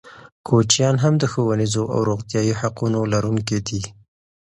کوچیان هم د ښوونیزو او روغتیايي حقونو لرونکي دي.